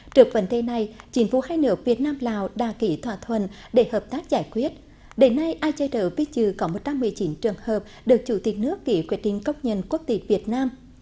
trước vấn đề này chính phủ hai nước việt nam lào đã kỷ thỏa thuận để hợp tác giải quyết để nay ai chơi đỡ biết chứ có một trăm một mươi chín trường hợp được chủ tịch nước kỷ quyết định cốc nhân quốc tịch việt nam